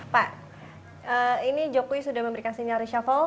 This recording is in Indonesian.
pak ini jokowi sudah memberikan sinyal reshuffle